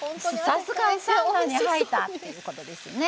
さすがサウナに入ったということですね。